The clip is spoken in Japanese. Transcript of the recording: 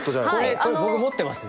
これ僕持ってます。